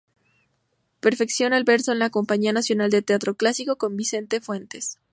Perfecciona el verso en la Compañía Nacional de Teatro Clásico con Vicente Fuentes.